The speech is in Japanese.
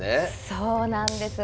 そうなんです。